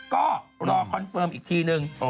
ก็รอคอนเฟิร์มอีกทีนึง